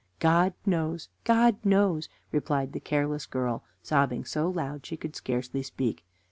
"God knows! God knows!" replied the careless girl, sobbing so loud she could scarcely speak.